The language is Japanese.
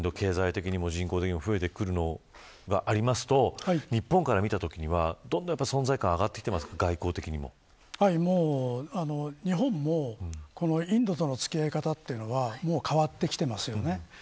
風間さん、ここまでインド、経済的にも人口的にも増えてくるのがありますと日本から見たときにどんどん存在感が上がってきますか日本もインドとの付き合い方というのは変わってきています。